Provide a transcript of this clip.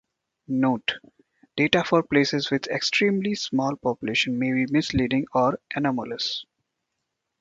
Note: Data for places with extremely small populations may be misleading or anomalous.